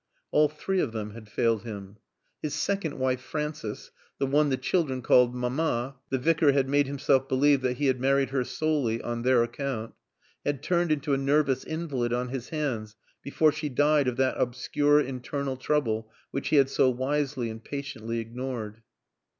All three of them had failed him. His second wife, Frances, the one the children called Mamma (the Vicar had made himself believe that he had married her solely on their account), had turned into a nervous invalid on his hands before she died of that obscure internal trouble which he had so wisely and patiently ignored.